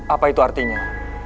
apa itu artinya